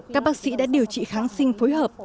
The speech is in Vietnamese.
các bác sĩ đã điều trị kháng sinh phối hợp